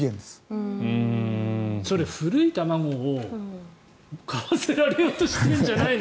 それ、古い卵を買わせられようとしてるんじゃないの？